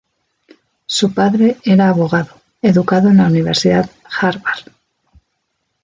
Su padre era abogado educado en la Universidad Harvard.